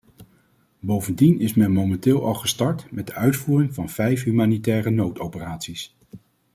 Bovendien is men momenteel al gestart met de uitvoering van vijf humanitaire noodoperaties.